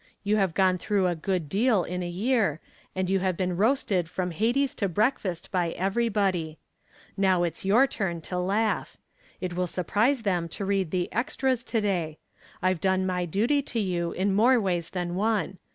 You have gone through a good deal in a year and you have been roasted from Hades to breakfast by everybody. Now it's your turn to laugh. It will surprise them to read the 'extras' to day. I've done my duty to you in more ways than one.